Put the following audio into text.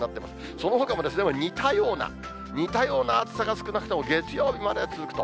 そのほかも似たような、似たような暑さが少なくとも月曜日までは続くと。